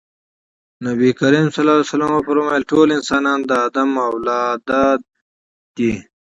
نبي کريم ص وفرمايل ټول انسانان د ادم اولاده دي.